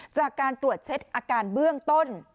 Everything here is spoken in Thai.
จากการตรวจเช็คอาการเบื้องต้น